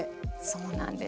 そうなんです。